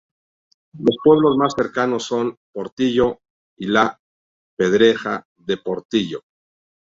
Los pueblos más cercanos son Portillo y La Pedraja de Portillo.